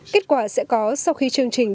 kết quả sẽ có sau khi chương trình